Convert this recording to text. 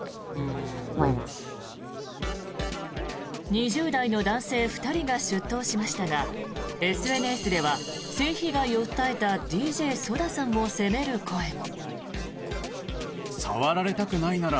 ２０代の男性２人が出頭しましたがＳＮＳでは、性被害を訴えたＤＪＳＯＤＡさんを責める声も。